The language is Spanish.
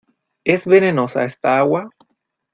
¿ es venenosa esta agua?